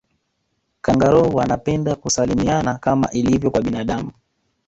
kangaroo wanapenda kusalimiana kama ilivyo kwa binadamu